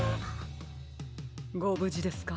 ごぶじですか？